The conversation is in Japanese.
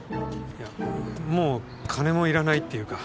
いやもう金もいらないっていうか。